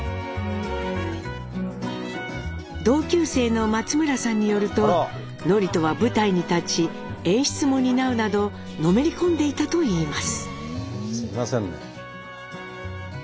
同級生の松村さんによると智人は舞台に立ち演出も担うなどのめり込んでいたといいます。